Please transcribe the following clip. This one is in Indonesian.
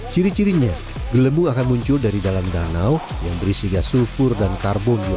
ciri cirinya gelembung akan muncul dari dalam danau yang berisi gas sulfur dan karbonnya